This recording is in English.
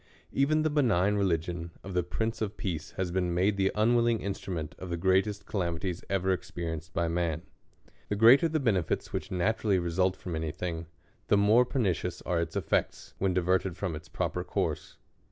Even the benign religion of the Prince of Peace has been made the unwilling instmment of the greatest calamities ever experienced by man. The greater the benefits which naturally result from any thing, the more pernicious arc its effects, when diverted fi'om its proper course.